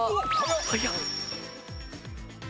早っ！